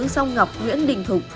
sông ngọc nguyễn đình thục